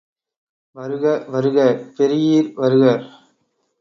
வருக வருக பெரியீர் வருக!.